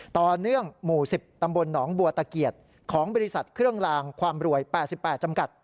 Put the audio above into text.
ต่อเนื่องหมู่๑๐ตำบลหนองบัวตะเกียดของบริษัทเครื่องลางความรวย๘๘จำกัด